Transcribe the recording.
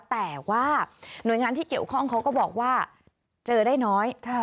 แต่ว่าหน่วยงานที่เกี่ยวข้องเขาก็บอกว่าเจอได้น้อย